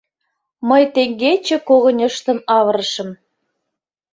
Мый теҥгече когыньыштым авырышым.